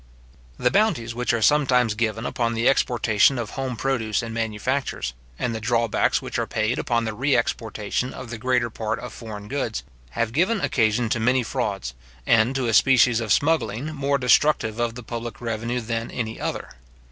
The bounties which are sometimes given upon the exportation of home produce and manufactures, and the drawbacks which are paid upon the re exportation of the greater part of foreign goods, have given occasion to many frauds, and to a species of smuggling, more destructive of the public revenue than any other.